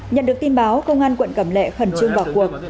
nhận được tin báo công an quận cầm lệ khẩn trương bỏ cuộc